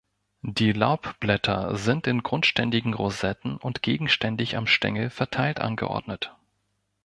Die Laubblätter sind in grundständigen Rosetten und gegenständig am Stängel verteilt angeordnet.